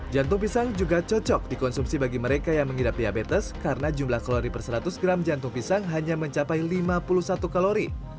jantung pisang juga cocok dikonsumsi bagi mereka yang mengidap diabetes karena jumlah kalori per seratus gram jantung pisang hanya mencapai lima puluh satu kalori